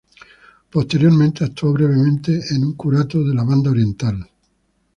Posteriormente actuó brevemente en un curato de la Banda Oriental.